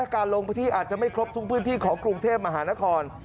การลงพื้นที่อาจจะไม่ครบทุกพื้นที่ของกรุงเทพมหานคร